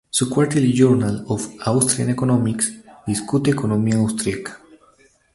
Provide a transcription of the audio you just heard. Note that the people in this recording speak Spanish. Su Quarterly Journal of Austrian Economics discute economía austriaca.